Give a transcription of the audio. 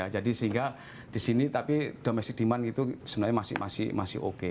jadi sehingga di sini tapi domestic demand itu sebenarnya masih oke